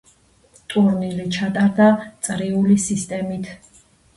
ტურნირი ჩატარდა წრიული სისტემით.